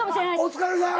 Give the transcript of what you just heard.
お疲れさん。